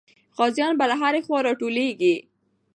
غازیان به له هرې خوا راټولېږي.